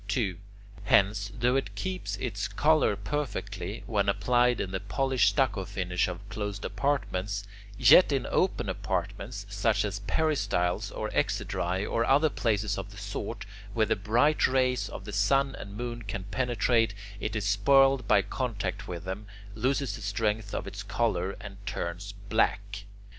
2. Hence, though it keeps its colour perfectly when applied in the polished stucco finish of closed apartments, yet in open apartments, such as peristyles or exedrae or other places of the sort, where the bright rays of the sun and moon can penetrate, it is spoiled by contact with them, loses the strength of its colour, and turns black.